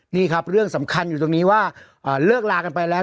นี่ครับเรื่องสำคัญอยู่ตรงนี้ว่าเลิกลากันไปแล้ว